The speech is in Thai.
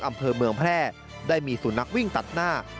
อำเภอเมืองแพร่ได้มีสุนัขวิ่งตัดหน้า